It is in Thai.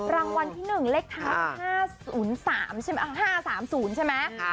รางวัลที่๑เลขทั้ง๕๓๐ใช่ไหม